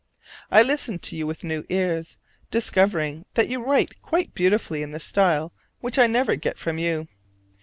I listened to you with new ears, discovering that you write quite beautifully in the style which I never get from you.